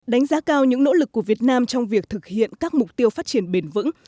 đánh giá cao những nỗ lực của việt nam trong việc thực hiện các mục tiêu phát triển bền vững